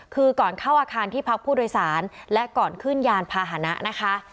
คือก่อนเข้าอาคารที่พักผู้โดยสารและก่อนขึ้นยานพาหนะนะคะ